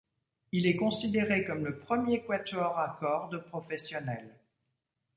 Il est considéré comme le premier quatuor à cordes professionnel.